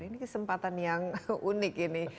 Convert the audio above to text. ini kesempatan yang unik ini